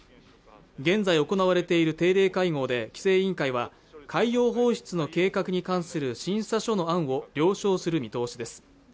現在行われている定例会合で規制委員会は海洋放出の計画に関する審査書の案を了承する見通しです